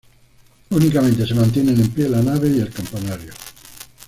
Únicamente se mantienen en pie la nave y el campanario.